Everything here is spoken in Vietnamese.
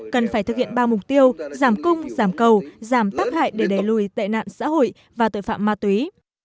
cần phải thực hiện ba mục tiêu giảm cung giảm cầu giảm tắc hại để đẩy lùi tệ nạn xã hội và tội phạm ma túy